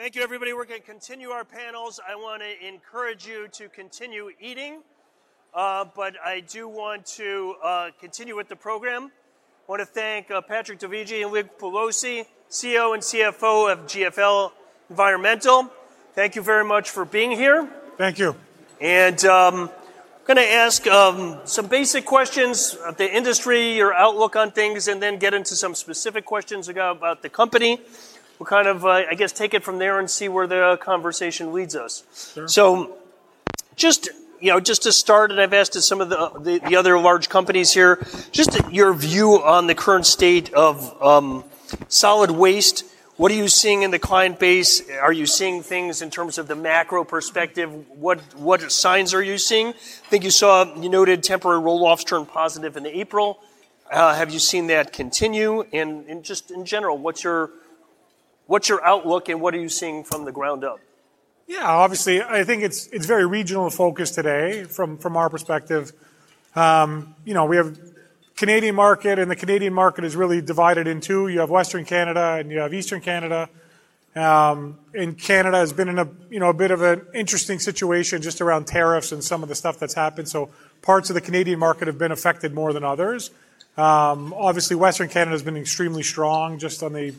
Thank you, everybody. We're going to continue our panels. I want to encourage you to continue eating. I do want to continue with the program. I want to thank Patrick Dovigi and Luke Pelosi, CEO and CFO of GFL Environmental. Thank you very much for being here. Thank you. I'm going to ask some basic questions of the industry, your outlook on things, then get into some specific questions about the company. We'll, I guess, take it from there and see where the conversation leads us. Just to start, I've asked this of some of the other large companies here, just your view on the current state of solid waste. What are you seeing in the client base? Are you seeing things in terms of the macro perspective? What signs are you seeing? I think you noted temporary roll-offs turned positive in April. Have you seen that continue? Just in general, what's your outlook and what are you seeing from the ground up? Yeah, obviously, I think it's very regionally focused today, from our perspective. We have the Canadian market. The Canadian market is really divided in two. You have Western Canada and you have Eastern Canada. Canada has been in a bit of an interesting situation just around tariffs and some of the stuff that's happened. Parts of the Canadian market have been affected more than others. Obviously, Western Canada has been extremely strong, just on the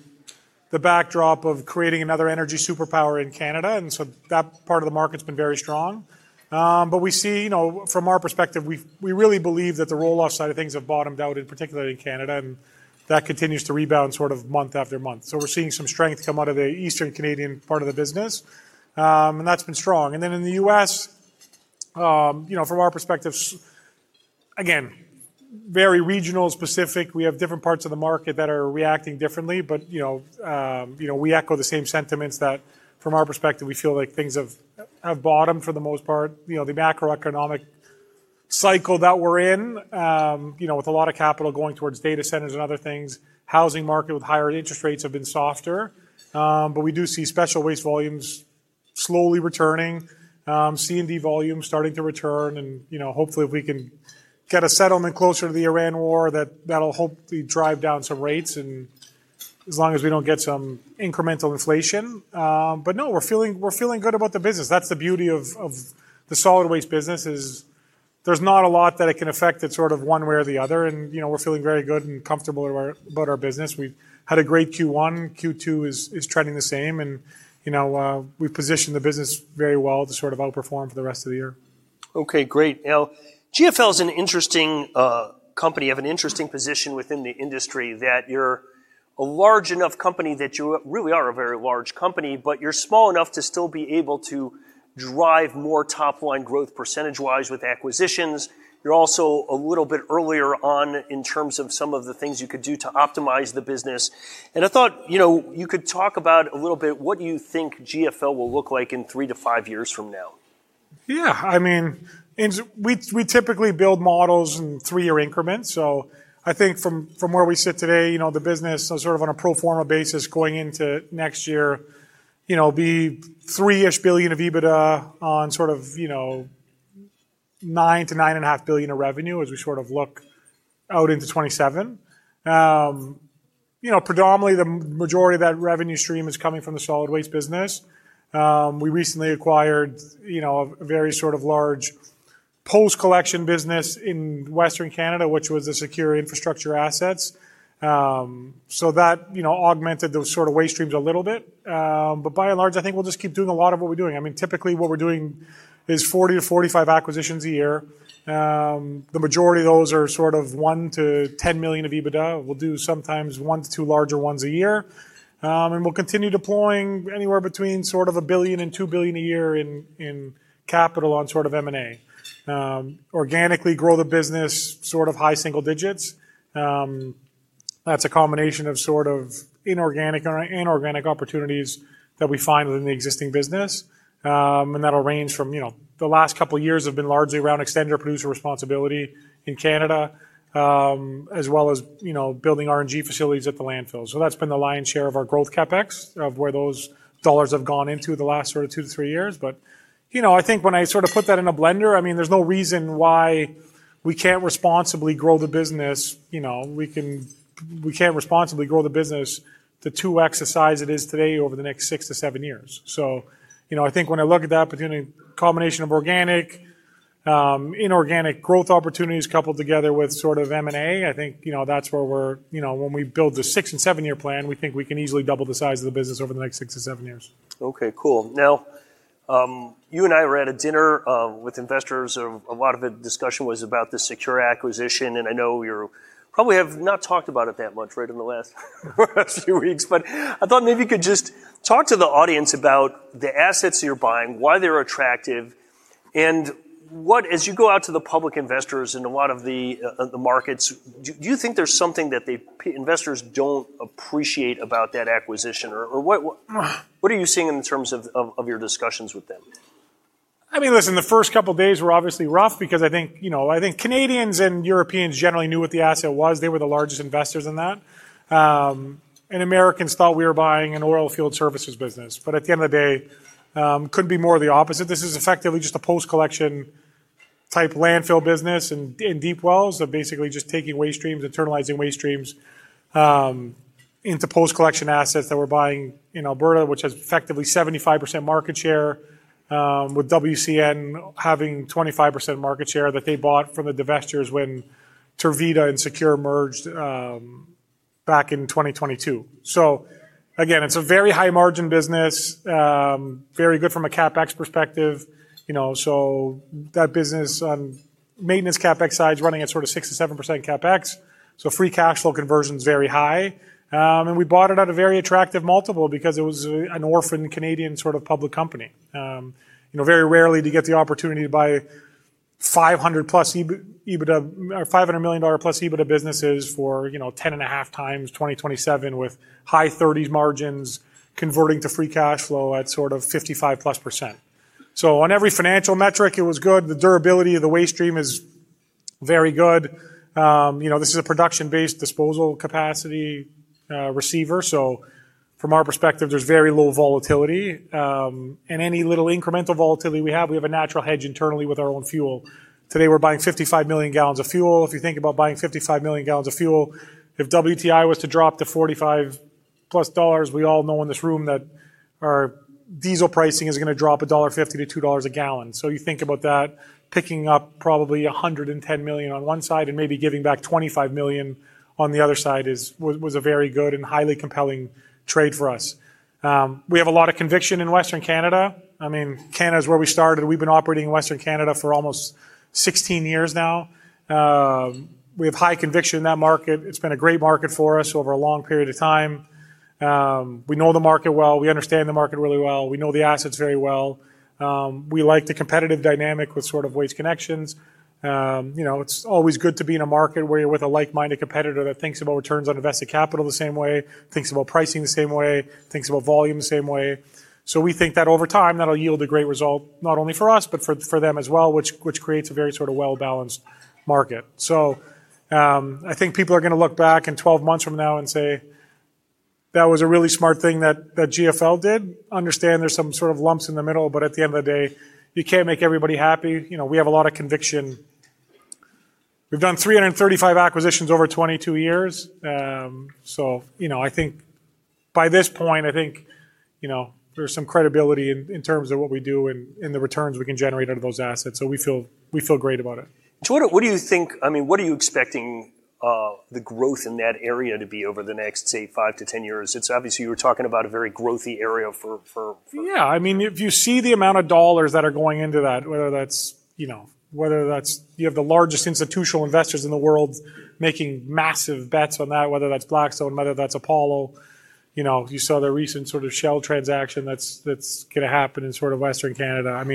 backdrop of creating another energy superpower in Canada. That part of the market's been very strong. From our perspective, we really believe that the roll-off side of things have bottomed out, particularly in Canada, and that continues to rebound sort of month after month. We're seeing some strength come out of the Eastern Canadian part of the business. That's been strong. In the U.S., from our perspective, again, very regional specific. We have different parts of the market that are reacting differently. We echo the same sentiments that from our perspective, we feel like things have bottomed for the most part, the macroeconomic cycle that we're in, with a lot of capital going towards data centers and other things. The housing market, with higher interest rates, have been softer. We do see special waste volumes slowly returning, C&D volumes starting to return, and hopefully, if we can get a settlement closer to the Iran war, that'll hopefully drive down some rates, and as long as we don't get some incremental inflation. No, we're feeling good about the business. That's the beauty of the solid waste business is there's not a lot that it can affect it sort of one way or the other, and we're feeling very good and comfortable about our business. We've had a great Q1. Q2 is trending the same. We've positioned the business very well to sort of outperform for the rest of the year. Okay, great. GFL is an interesting company, of an interesting position within the industry, that you're a large enough company, that you really are a very large company, but you're small enough to still be able to drive more top-line growth percentage-wise with acquisitions. You're also a little bit earlier on in terms of some of the things you could do to optimize the business. I thought, you could talk about, a little bit, what you think GFL will look like in three to five years from now. Yeah. We typically build models in three-year increments. I think from where we sit today, the business, sort of on a pro forma basis, going into next year, be three-ish billion of EBITDA on sort of, 9 billion-9.5 billion of revenue as we sort of look out into 2027. Predominantly, the majority of that revenue stream is coming from the solid waste business. We recently acquired a very sort of large post-collection business in Western Canada, which was the SECURE infrastructure assets. By and large, I think we'll just keep doing a lot of what we're doing. Typically, what we're doing is 40-45 acquisitions a year. The majority of those are sort of 1 million-10 million of EBITDA. We'll do sometimes one to two larger ones a year. We'll continue deploying anywhere between sort of 1 billion and 2 billion a year in capital on sort of M&A. Organically grow the business sort of high single digits. That's a combination of sort of inorganic and organic opportunities that we find within the existing business. That'll range from the last couple of years have been largely around extended producer responsibility in Canada, as well as building RNG facilities at the landfill. That's been the lion's share of our growth CapEx, of where those CAD dollars have gone into the last sort of two to three years. I think when I sort of put that in a blender, there's no reason why we can't responsibly grow the business to 2x the size it is today over the next six to seven years. I think when I look at the opportunity, combination of organic, inorganic growth opportunities coupled together with sort of M&A, I think, that's where when we build the six and seven-year plan, we think we can easily double the size of the business over the next six to seven years. Okay, cool. You and I were at a dinner with investors. A lot of the discussion was about the SECURE acquisition. I know we probably have not talked about it that much, right, in the last few weeks. I thought maybe you could just talk to the audience about the assets you're buying, why they're attractive, and as you go out to the public investors and a lot of the markets, do you think there's something that investors don't appreciate about that acquisition, or what are you seeing in terms of your discussions with them? The first couple of days were obviously rough because I think Canadians and Europeans generally knew what the asset was. They were the largest investors in that. Americans thought we were buying an oilfield services business. At the end of the day, couldn't be more the opposite. This is effectively just a post-collection type landfill business and deep wells. Basically just taking waste streams, internalizing waste streams into post-collection assets that we're buying in Alberta, which has effectively 75% market share, with WCN having 25% market share that they bought from the divestitures when Tervita and SECURE merged back in 2022. Again, it's a very high-margin business, very good from a CapEx perspective. That business on maintenance CapEx side is running at 6%-7% CapEx. Free cash flow conversion is very high. We bought it at a very attractive multiple because it was an orphan Canadian public company. Very rarely do you get the opportunity to buy 500 million dollar+ EBITDA businesses for 10.5x 2027 with high 30s% margins converting to free cash flow at 55%+. On every financial metric, it was good. The durability of the waste stream is very good. This is a production-based disposal capacity receiver. From our perspective, there's very little volatility. Any little incremental volatility we have, we have a natural hedge internally with our own fuel. Today, we're buying 55 million gallons of fuel. If you think about buying 55 million gallons of fuel, if WTI was to drop to 45+ dollars, we all know in this room that our diesel pricing is going to drop 1.50-2 dollars/gal. You think about that, picking up probably 110 million on one side and maybe giving back 25 million on the other side was a very good and highly compelling trade for us. We have a lot of conviction in Western Canada. Canada is where we started. We've been operating in Western Canada for almost 16 years now. We have high conviction in that market. It's been a great market for us over a long period of time. We know the market well. We understand the market really well. We know the assets very well. We like the competitive dynamic with sort of Waste Connections. It's always good to be in a market where you're with a like-minded competitor that thinks about returns on invested capital the same way, thinks about pricing the same way, thinks about volume the same way. We think that over time, that'll yield a great result, not only for us, but for them as well, which creates a very well-balanced market. I think people are going to look back in 12 months from now and say, "That was a really smart thing that GFL did." Understand there's some sort of lumps in the middle, at the end of the day, you can't make everybody happy. We have a lot of conviction. We've done 335 acquisitions over 22 years. By this point, I think there's some credibility in terms of what we do and the returns we can generate out of those assets. We feel great about it. What are you expecting the growth in that area to be over the next, say, 5-10 years? Obviously, you were talking about a very growth-y area. Yeah. If you see the amount of CAD that are going into that, whether that's you have the largest institutional investors in the world making massive bets on that, whether that's Blackstone, whether that's Apollo. You saw the recent Shell transaction that's going to happen in Western Canada.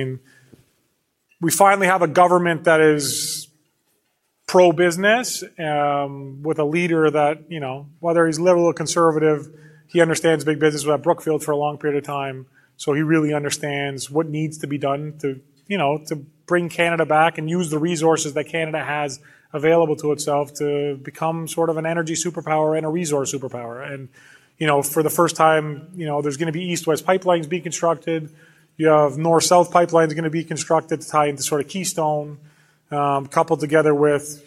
We finally have a government that is pro-business, with a leader that, whether he's liberal or conservative, he understands big business. He was at Brookfield for a long period of time, so he really understands what needs to be done to bring Canada back and use the resources that Canada has available to itself to become an energy superpower and a resource superpower. For the first time, there's going to be East-West pipelines being constructed. You have North-South pipelines going to be constructed to tie into Keystone, coupled together with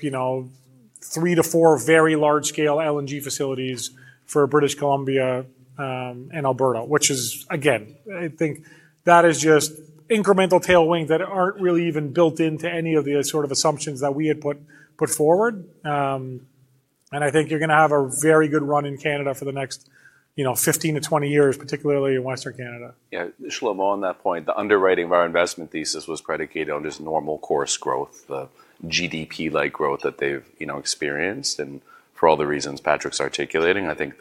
three to four very large-scale LNG facilities for British Columbia and Alberta. Which is, again, I think that is just incremental tailwinds that aren't really even built into any of the assumptions that we had put forward. I think you're going to have a very good run in Canada for the next 15-20 years, particularly in Western Canada. Shlomo, on that point, the underwriting of our investment thesis was predicated on just normal course growth, the GDP-like growth that they've experienced. For all the reasons Patrick's articulating, I think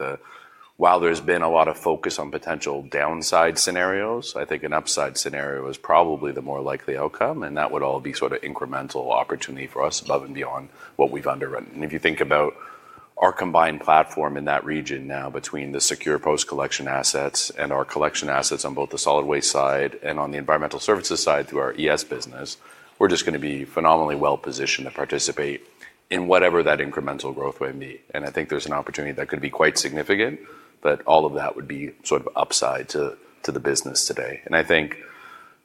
while there's been a lot of focus on potential downside scenarios, I think an upside scenario is probably the more likely outcome, and that would all be incremental opportunity for us above and beyond what we've underwritten. If you think about our combined platform in that region now between the SECURE post-collection assets and our collection assets on both the solid waste side and on the environmental services side through our ES business, we're just going to be phenomenally well-positioned to participate in whatever that incremental growth may be. I think there's an opportunity that could be quite significant, but all of that would be upside to the business today. I think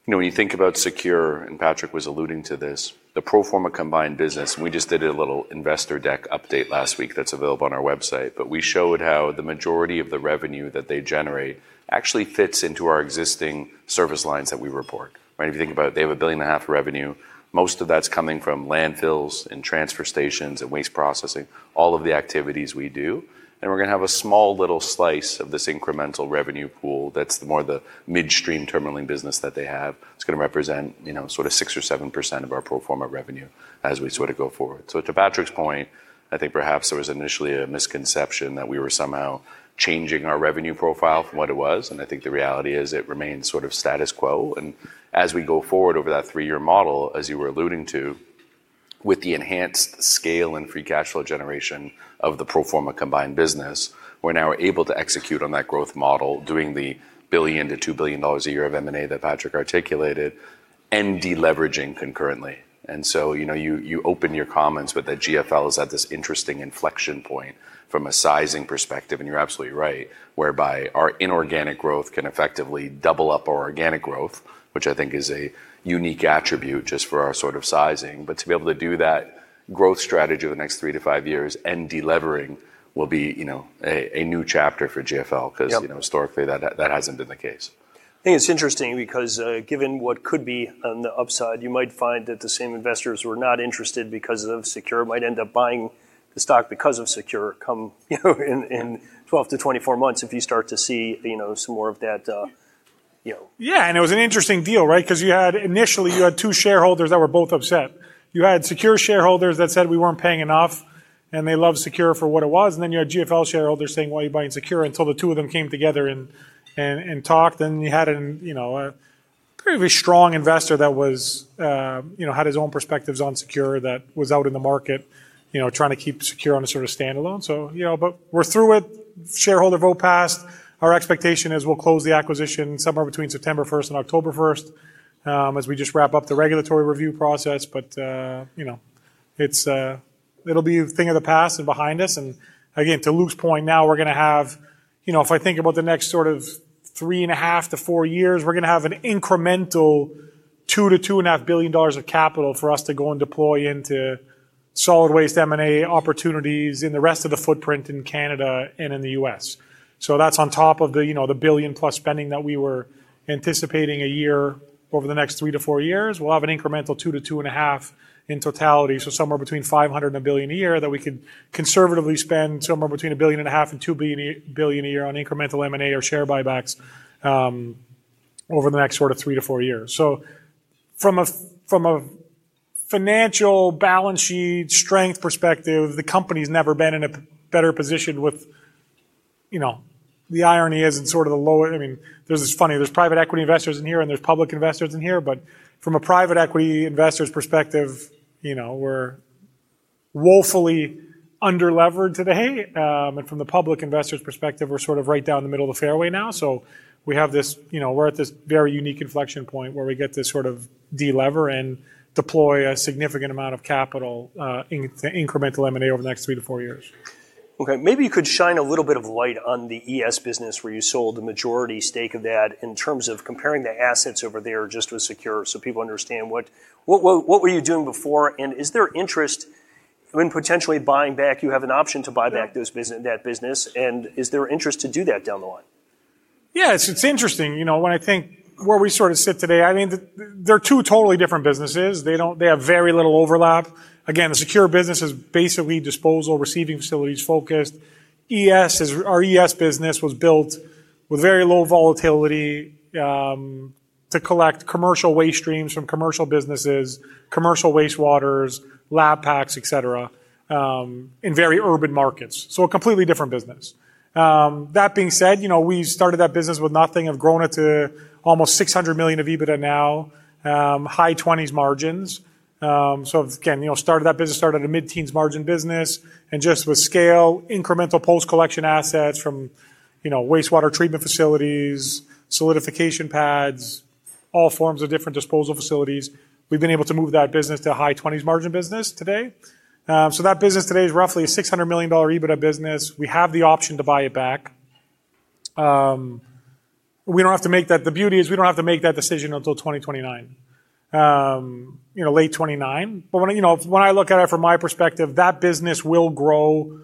when you think about SECURE, Patrick was alluding to this, the pro forma combined business. We just did a little investor deck update last week that's available on our website. We showed how the majority of the revenue that they generate actually fits into our existing service lines that we report, right? If you think about it, they have 1.5 billion revenue. Most of that's coming from landfills and transfer stations and waste processing, all of the activities we do. We're going to have a small little slice of this incremental revenue pool that's more the midstream terminalling business that they have. It's going to represent 6% or 7% of our pro forma revenue as we go forward. To Patrick's point, I think perhaps there was initially a misconception that we were somehow changing our revenue profile from what it was. I think the reality is it remains sort of status quo. As we go forward over that three-year model, as you were alluding to, with the enhanced scale and free cash flow generation of the pro forma combined business, we're now able to execute on that growth model, doing 1 billion-2 billion dollars a year of M&A that Patrick articulated and deleveraging concurrently. You open your comments with that GFL is at this interesting inflection point from a sizing perspective, and you're absolutely right, whereby our inorganic growth can effectively double up our organic growth, which I think is a unique attribute just for our sort of sizing. To be able to do that growth strategy over the next three to five years and de-levering will be a new chapter for GFL because historically, that hasn't been the case. I think it's interesting because, given what could be on the upside, you might find that the same investors who are not interested because of SECURE might end up buying the stock because of SECURE come in 12-24 months if you start to see some more of that. It was an interesting deal, right? Because initially, you had two shareholders that were both upset. You had SECURE shareholders that said we weren't paying enough, and they loved SECURE for what it was. Then you had GFL shareholders saying, "Why are you buying SECURE?" Until the two of them came together and talked, and you had a pretty strong investor that had his own perspectives on SECURE that was out in the market trying to keep SECURE on a sort of standalone. We're through it. Shareholder vote passed. Our expectation is we'll close the acquisition somewhere between September 1st and October 1st, as we just wrap up the regulatory review process. It'll be a thing of the past and behind us, and again, to Luke's point, now we're going to have, if I think about the next sort of three and a half to four years, we're going to have an incremental 2 billion-2.5 billion dollars of capital for us to go and deploy into solid waste M&A opportunities in the rest of the footprint in Canada and in the U.S. That's on top of the 1 billion+ spending that we were anticipating a year over the next three to four years. We'll have an incremental 2 billion-2.5 billion in totality, somewhere between 500 million-1 billion a year that we could conservatively spend somewhere between 1.5 billion-2 billion a year on incremental M&A or share buybacks over the next sort of three to four years. From a financial balance sheet strength perspective, the company's never been in a better position with-- The irony is in sort of the low end. This is funny. There's private equity investors in here, and there's public investors in here, but from a private equity investor's perspective, we're woefully under-levered today. From the public investor's perspective, we're sort of right down the middle of the fairway now. We're at this very unique inflection point where we get to sort of de-lever and deploy a significant amount of capital into incremental M&A over the next three to four years. Okay. Maybe you could shine a little bit of light on the ES business, where you sold the majority stake of that, in terms of comparing the assets over there just with SECURE so people understand. What were you doing before, and is there interest in potentially buying back? You have an option to buy back that business, and is there interest to do that down the line? Yeah. It's interesting. When I think where we sort of sit today, they're two totally different businesses. They have very little overlap. Again, the SECURE business is basically disposal receiving facilities focused. Our ES business was built with very low volatility, to collect commercial waste streams from commercial businesses, commercial wastewaters, lab packs, et cetera, in very urban markets. A completely different business. That being said, we started that business with nothing, have grown it to almost 600 million of EBITDA now, high 20s margins. Again, started that business, started a mid-teens margin business, and just with scale, incremental post-collection assets from wastewater treatment facilities, solidification pads, all forms of different disposal facilities. We've been able to move that business to a high 20s margin business today. That business today is roughly a 600 million dollar EBITDA business. We have the option to buy it back. The beauty is we don't have to make that decision until 2029. Late 2029. When I look at it from my perspective, that business will grow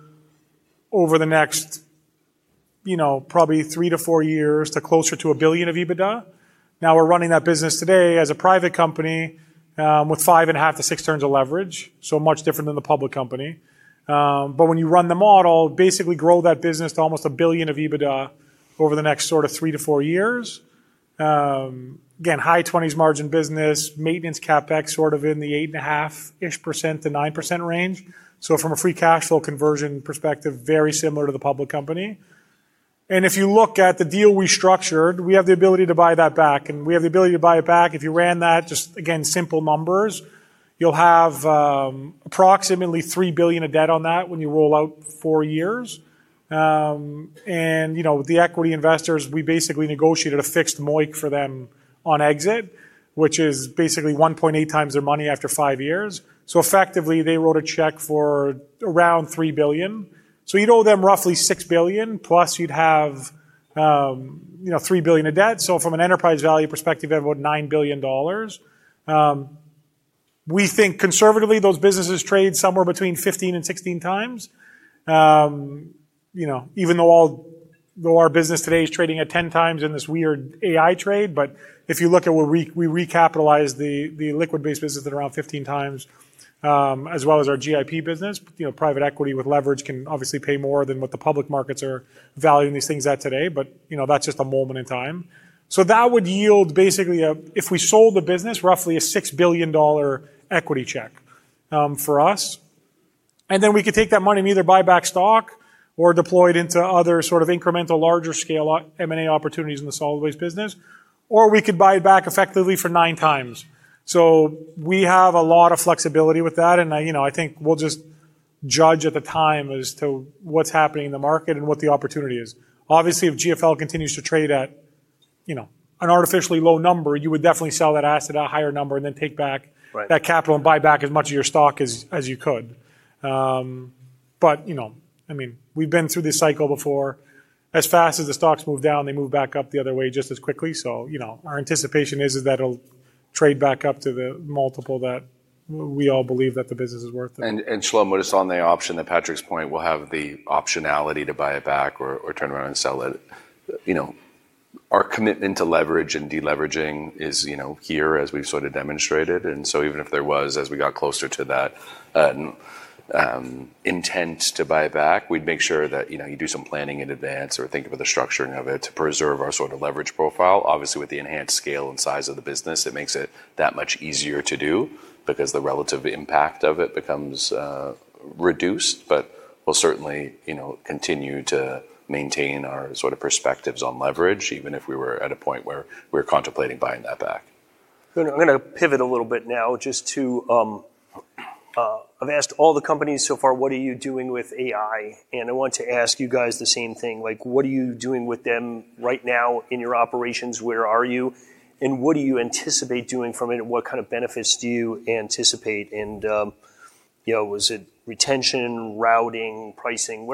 over the next probably three to four years to closer to 1 billion of EBITDA. We're running that business today as a private company, with 5.5x-6x of leverage, so much different than the public company. When you run the model, basically grow that business to almost 1 billion of EBITDA over the next sort of three to four years. Again, high 20s margin business. Maintenance CapEx sort of in the 8.5%-9% range. From a free cash flow conversion perspective, very similar to the public company. If you look at the deal we structured, we have the ability to buy that back, and we have the ability to buy it back. If you ran that, just again, simple numbers, you'll have approximately 3 billion of debt on that when you roll out four years. The equity investors, we basically negotiated a fixed MOIC for them on exit, which is basically 1.8x their money after five years. Effectively, they wrote a check for around 3 billion. You'd owe them roughly 6 billion, plus you'd have 3 billion of debt. From an enterprise value perspective, about 9 billion dollars. We think conservatively, those businesses trade somewhere between 15-16 times. Even though all our business today is trading at 10 times in this weird AI trade. If you look at we recapitalized the liquid-based business at around 15 times, as well as our GIP business. Private equity with leverage can obviously pay more than what the public markets are valuing these things at today, but that's just a moment in time. That would yield basically, if we sold the business, roughly a 6 billion dollar equity check for us, and then we could take that money and either buy back stock or deploy it into other sort of incremental larger scale M&A opportunities in the solid waste business, or we could buy it back effectively for nine times. We have a lot of flexibility with that, and I think we'll just judge at the time as to what's happening in the market and what the opportunity is. Obviously, if GFL continues to trade at an artificially low number, you would definitely sell that asset at a higher number and then take back that capital and buy back as much of your stock as you could. We've been through this cycle before. As fast as the stocks move down, they move back up the other way just as quickly. Our anticipation is that it'll trade back up to the multiple that we all believe that the business is worth. Shlomo, just on the option, to Patrick's point, we'll have the optionality to buy it back or turn around and sell it. Our commitment to leverage and de-leveraging is here, as we've sort of demonstrated. Even if there was, as we got closer to that intent to buy back, we'd make sure that you do some planning in advance or think about the structuring of it to preserve our sort of leverage profile. Obviously, with the enhanced scale and size of the business, it makes it that much easier to do because the relative impact of it becomes reduced. We'll certainly continue to maintain our sort of perspectives on leverage, even if we were at a point where we're contemplating buying that back. I'm going to pivot a little bit now just to, I've asked all the companies so far, what are you doing with AI? I want to ask you guys the same thing. What are you doing with them right now in your operations? Where are you and what do you anticipate doing from it? What kind of benefits do you anticipate? Was it retention, routing, pricing?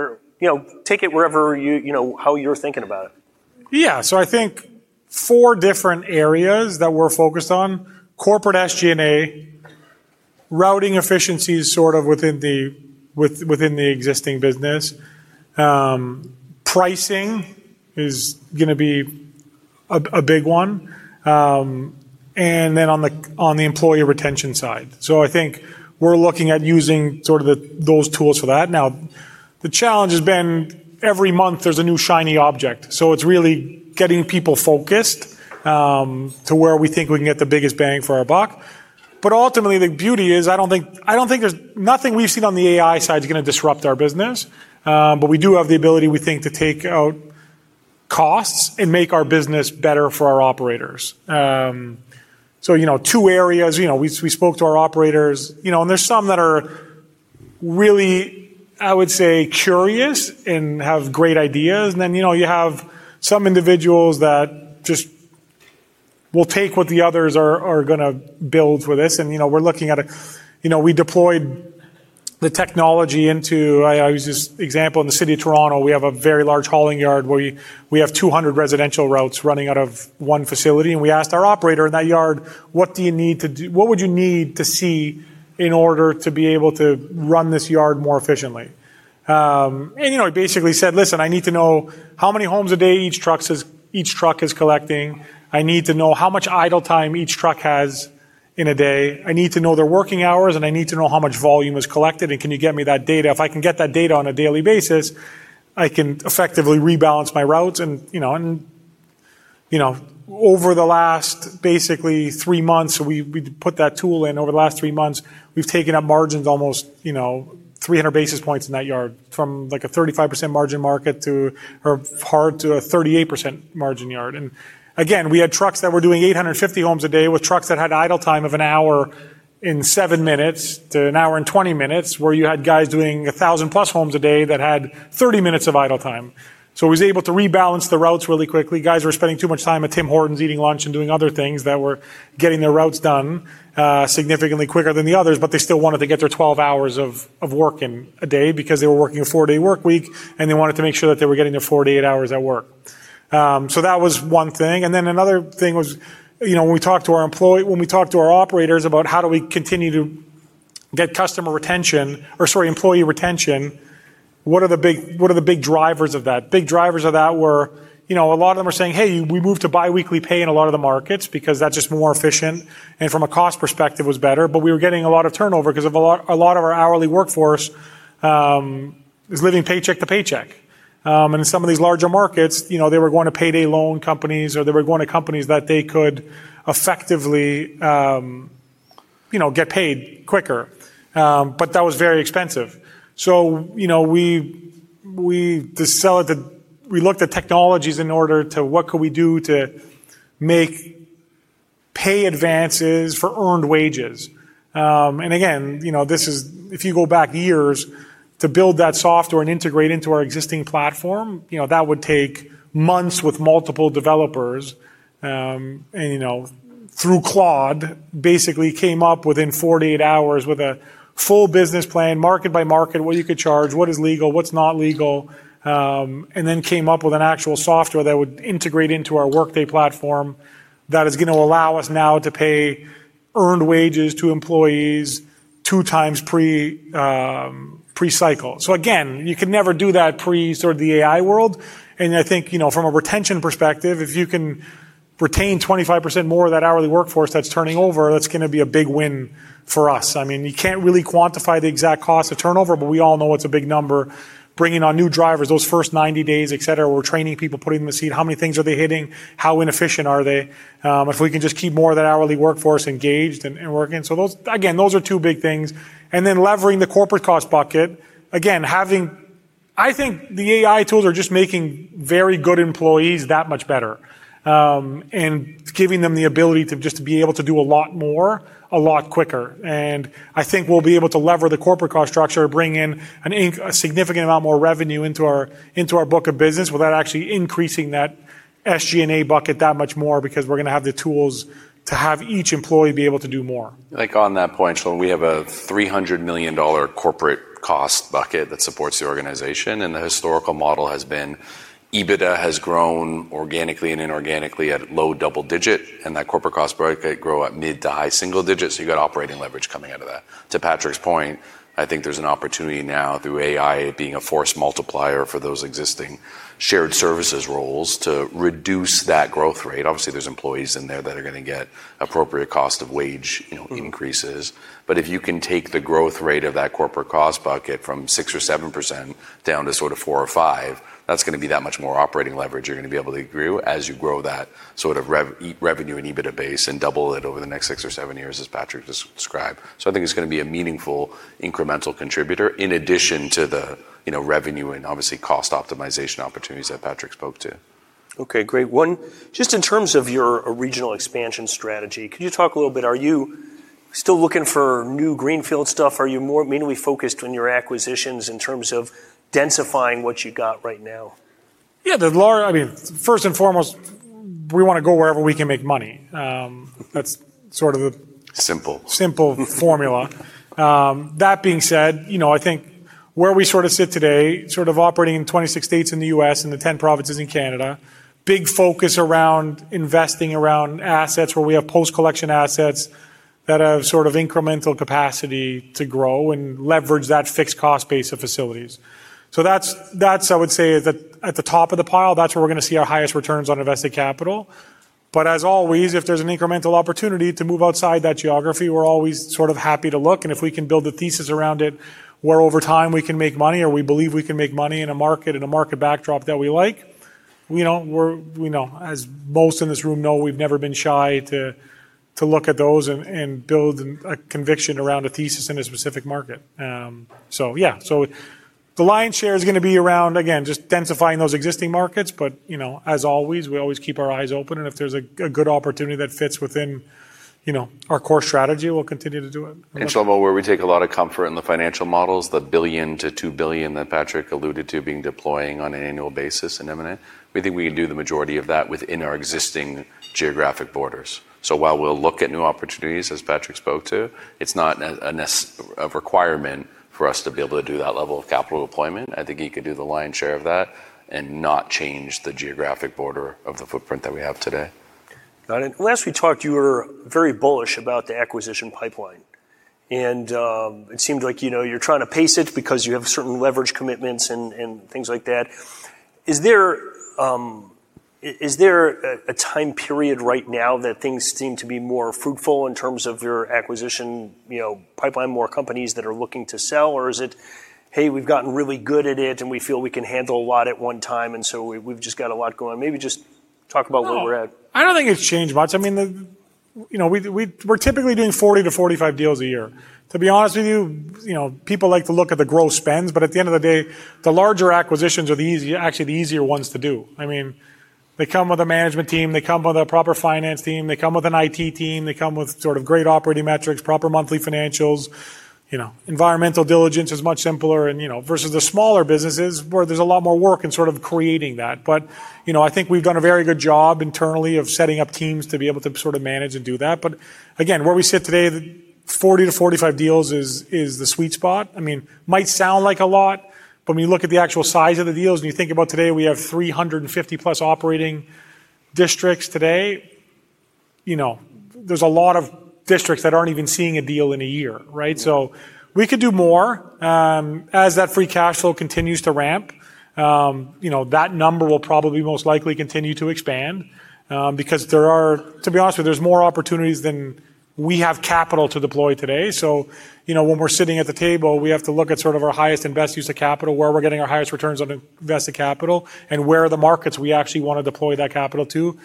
Take it however you're thinking about it. I think four different areas that we're focused on. Corporate SG&A, routing efficiencies sort of within the existing business. Pricing is going to be a big one. And then on the employee retention side. I think we're looking at using sort of those tools for that. Now, the challenge has been every month there's a new shiny object. It's really getting people focused, to where we think we can get the biggest bang for our buck. Ultimately, the beauty is, nothing we've seen on the AI side is going to disrupt our business. We do have the ability, we think, to take out costs and make our business better for our operators. Two areas. We spoke to our operators, and there's some that are really, I would say, curious and have great ideas. You have some individuals that just will take what the others are going to build with this. We're looking at it. We deployed the technology into, I'll use this example. In the city of Toronto, we have a very large hauling yard where we have 200 residential routes running out of one facility. We asked our operator in that yard, "What would you need to see in order to be able to run this yard more efficiently?" He basically said, "Listen, I need to know how many homes a day each truck is collecting. I need to know how much idle time each truck has in a day. I need to know their working hours, and I need to know how much volume is collected, and can you get me that data? If I can get that data on a daily basis, I can effectively rebalance my routes." Over the last basically three months, we put that tool in. Over the last three months, we've taken up margins almost 300 basis points in that yard from, like, a 35% margin market to, or hard to a 38% margin yard. Again, we had trucks that were doing 850 homes a day with trucks that had idle time of an hour and seven minutes to an hour and 20 minutes, where you had guys doing 1,000+ homes a day that had 30 minutes of idle time. He was able to rebalance the routes really quickly. Guys were spending too much time at Tim Hortons eating lunch and doing other things that were getting their routes done significantly quicker than the others, but they still wanted to get their 12 hours of work in a day because they were working a four-day workweek, and they wanted to make sure that they were getting their 48 hours at work. That was one thing. Another thing was when we talked to our operators about how do we continue to get customer retention, or, sorry, employee retention, what are the big drivers of that? Big drivers of that were a lot of them are saying, "Hey, we moved to biweekly pay in a lot of the markets because that's just more efficient, and from a cost perspective was better." We were getting a lot of turnover because a lot of our hourly workforce is living paycheck to paycheck. In some of these larger markets, they were going to payday loan companies, or they were going to companies that they could effectively get paid quicker. That was very expensive. We looked at technologies in order to what could we do to make pay advances for earned wages. Again, if you go back years to build that software and integrate into our existing platform, that would take months with multiple developers. Through Claude, basically came up within 48 hours with a full business plan, market by market, what you could charge, what is legal, what's not legal, then came up with an actual software that would integrate into our Workday platform that is going to allow us now to pay earned wages to employees two times pre-cycle. Again, you could never do that pre sort of the AI world. I think from a retention perspective, if you can retain 25% more of that hourly workforce that's turning over, that's going to be a big win for us. You can't really quantify the exact cost of turnover, but we all know it's a big number. Bringing on new drivers those first 90 days, et cetera. We're training people, putting them in the seat. How many things are they hitting? How inefficient are they? If we can just keep more of that hourly workforce engaged and working. Again, those are two big things. Then leveraging the corporate cost bucket. Again, I think the AI tools are just making very good employees that much better, and giving them the ability to just be able to do a lot more, a lot quicker. I think we'll be able to lever the corporate cost structure, bring in a significant amount more revenue into our book of business without actually increasing that SG&A bucket that much more, because we're going to have the tools to have each employee be able to do more. On that point, we have a 300 million dollar corporate cost bucket that supports the organization, the historical model has been EBITDA has grown organically and inorganically at low double digit, that corporate cost bucket grow at mid to high single digit, you've got operating leverage coming out of that. To Patrick's point, I think there's an opportunity now through AI being a force multiplier for those existing shared services roles to reduce that growth rate. Obviously, there's employees in there that are going to get appropriate cost of wage increases. If you can take the growth rate of that corporate cost bucket from 6% or 7% down to 4% or 5%, that's going to be that much more operating leverage you're going to be able to grow as you grow that sort of revenue and EBITDA base and double it over the next six or seven years, as Patrick described. I think it's going to be a meaningful incremental contributor in addition to the revenue and obviously cost optimization opportunities that Patrick spoke to. Okay, great. One, just in terms of your regional expansion strategy, could you talk a little bit, are you still looking for new greenfield stuff? Are you more mainly focused on your acquisitions in terms of densifying what you've got right now? Yeah. First and foremost, we want to go wherever we can make money. Simple. Simple formula. That being said, I think where we sit today, operating in 26 states in the U.S. and the 10 provinces in Canada, big focus around investing around assets where we have post-collection assets that have incremental capacity to grow and leverage that fixed cost base of facilities. That's, I would say, at the top of the pile. That's where we're going to see our highest returns on invested capital. As always, if there's an incremental opportunity to move outside that geography, we're always happy to look, and if we can build a thesis around it where over time we can make money or we believe we can make money in a market and a market backdrop that we like, as most in this room know, we've never been shy to look at those and build a conviction around a thesis in a specific market. The lion's share is going to be around, again, just densifying those existing markets, as always, we always keep our eyes open, and if there's a good opportunity that fits within our core strategy, we'll continue to do it. Shlomo, where we take a lot of comfort in the financial models, the 1 billion-2 billion that Patrick alluded to being deploying on an annual basis in M&A, we think we can do the majority of that within our existing geographic borders. While we'll look at new opportunities, as Patrick spoke to, it's not a requirement for us to be able to do that level of capital deployment. I think he could do the lion's share of that and not change the geographic border of the footprint that we have today. Got it. Last we talked, you were very bullish about the acquisition pipeline. It seemed like you're trying to pace it because you have certain leverage commitments and things like that. Is there a time period right now that things seem to be more fruitful in terms of your acquisition pipeline, more companies that are looking to sell? Is it, "Hey, we've gotten really good at it, and we feel we can handle a lot at one time, we've just got a lot going on"? Maybe just talk about where we're at. No. I don't think it's changed much. We're typically doing 40-45 deals a year. To be honest with you, people like to look at the gross spends, at the end of the day, the larger acquisitions are actually the easier ones to do. They come with a management team, they come with a proper finance team, they come with an IT team, they come with great operating metrics, proper monthly financials. Environmental diligence is much simpler versus the smaller businesses where there's a lot more work in creating that. I think we've done a very good job internally of setting up teams to be able to manage and do that. Again, where we sit today, the 40-45 deals is the sweet spot. Might sound like a lot. When you look at the actual size of the deals and you think about today, we have 350+ operating districts today. There's a lot of districts that aren't even seeing a deal in a year, right? We could do more. As that free cash flow continues to ramp, that number will probably most likely continue to expand, because to be honest with you, there's more opportunities than we have capital to deploy today. When we're sitting at the table, we have to look at our highest and best use of capital, where we're getting our highest returns on invested capital, and where are the markets we actually want to deploy that capital to.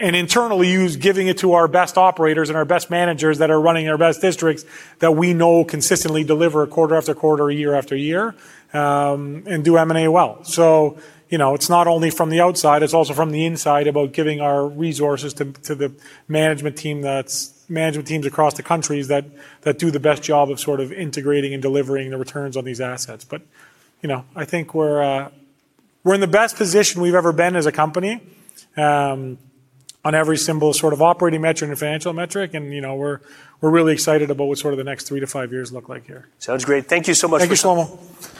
Internally, giving it to our best operators and our best managers that are running our best districts that we know consistently deliver quarter after quarter, year after year, and do M&A well. It's not only from the outside, it's also from the inside about giving our resources to the management teams across the countries that do the best job of integrating and delivering the returns on these assets. I think we're in the best position we've ever been as a company on every single operating metric and financial metric, and we're really excited about what the next three to five years look like here. Sounds great. Thank you so much. Thank you, Shlomo. Thanks, Shlomo